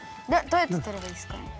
どうやってとればいいですか？